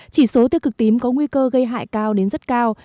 chỉ số tiêu cực tím có nguy cơ gây hại cao đến rất cao